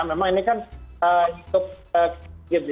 memang ini kan youtube